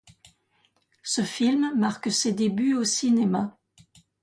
Ce film marque ses débuts au cinéma.